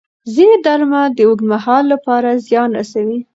ځینې درمل د اوږد مهال لپاره زیان رسوي.